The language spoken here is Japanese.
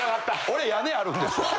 俺屋根あるんですわ。